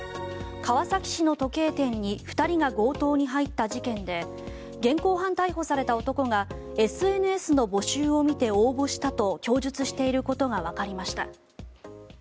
川崎市の時計店に２人が強盗に入った事件で現行犯逮捕された男がＳＮＳの募集を見て応募したと供述していることがわかりました。